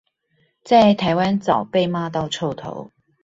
在台灣早被罵到臭頭